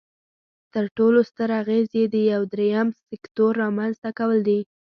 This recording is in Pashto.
تر ټولو ستر اغیز یې د یو دریم سکتور رامینځ ته کول دي.